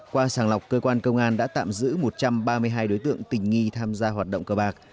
qua sàng lọc cơ quan công an đã tạm giữ một trăm ba mươi hai đối tượng tình nghi tham gia hoạt động cờ bạc